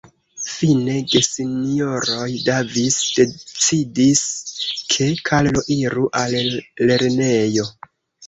Fine gesinjoroj Davis decidis, ke Karlo iru al lernejo.